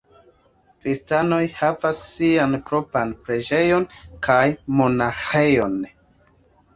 Kristanoj havas sian propran preĝejon kaj monaĥejon.